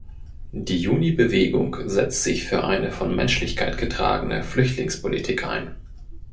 Die Juni-Bewegung setzt sich für eine von Menschlichkeit getragene Flüchtlingspolitik ein.